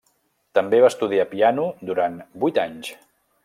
També va estudiar piano durant vuit anys.